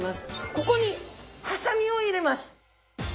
ここにハサミを入れます。